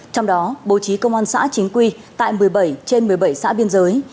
trong đó bố trí công an xã chính quy tại một mươi bảy trên một mươi bảy xã biên giới